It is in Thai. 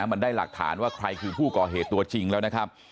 มันได้หลักฐานว่าใครคือผู้ก่อเหตุตัวจริงแล้วนะครับ